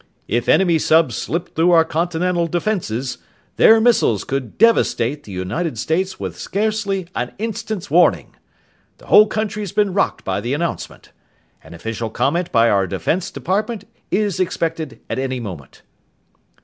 "If enemy subs slipped through our continental defenses, their missiles could devastate the United States with scarcely an instant's warning! The whole country's been rocked by the announcement. An official comment by our Defense Department is expected at any moment."